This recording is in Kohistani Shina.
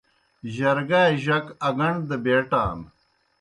جرگائے جک اگݨ دہ بیٹان۔